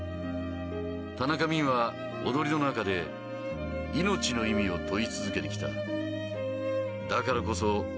田中泯は踊りの中で命の意味を問い続けてきただからこそ